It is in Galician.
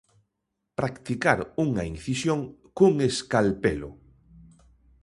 Practicar unha incisión cun escalpelo.